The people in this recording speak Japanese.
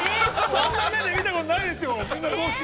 そんな目で見たことないですよ。